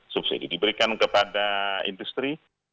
subsidi diberikan kepada industri